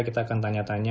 kita akan tanya tanya